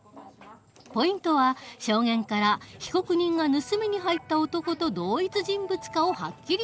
ポイントは証言から被告人が盗みに入った男と同一人物かをはっきりさせる事。